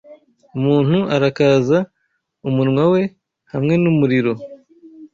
Umuntu arakaza umunwa we hamwe numuriro